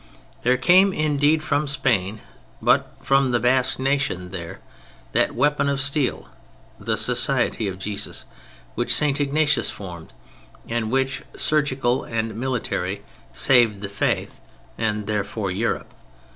There came indeed, from Spain (but from the Basque nation there) that weapon of steel, the Society of Jesus, which St. Ignatius formed, and which, surgical and military, saved the Faith, and therefore Europe.